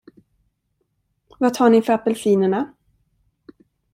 Vad tar ni för apelsinerna?